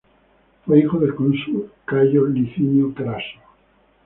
Fue hijo del consular Cayo Licinio Craso.